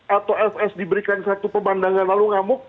atau fs diberikan satu pemandangan lalu ngamuk